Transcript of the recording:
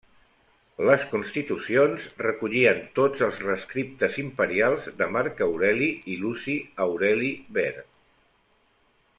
Les Constitucions recollien tots els rescriptes imperials de Marc Aureli i Luci Aureli Ver.